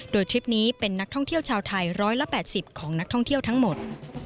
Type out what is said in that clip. โดยทริปนี้เป็นนักท่องเที่ยวชาวไทย๑๘๐ของนักท่องเที่ยวทั้งหมด